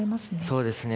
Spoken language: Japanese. そうですね。